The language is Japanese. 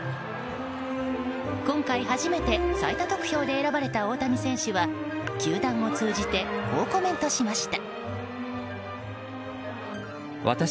今回、初めて最多得票で選ばれた大谷選手は球団を通じてこうコメントしました。